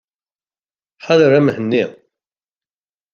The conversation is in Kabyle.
Ḥader a Mhenni!